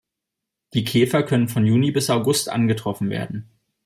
Die Käfer können von Juni bis August angetroffen werden.